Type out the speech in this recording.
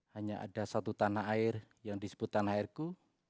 hanya ada satu tanah air yang disebut tanah airku